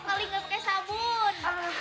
kalingan pake sabun